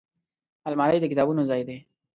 الماري د کتابونو ځای دی